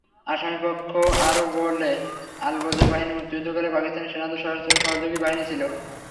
আসামিপক্ষ আরও বলে, আলবদর বাহিনী মুক্তিযুদ্ধকালে পাকিস্তানি সেনাদের সশস্ত্র সহযোগী বাহিনী ছিল।